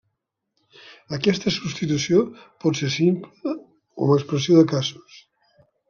Aquesta substitució pot ser simple o amb expressió de casos.